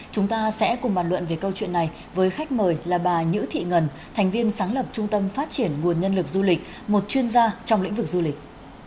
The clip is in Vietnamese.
chúng ta sẽ cùng bàn luận về câu chuyện này với khách mời là bà nhữ thị ngân thành viên sáng lập trung tâm phát triển nguồn nhân lực du lịch một chuyên gia trong lĩnh vực du lịch